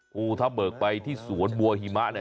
พูทะเบิกไปที่สวนบัวหิมะ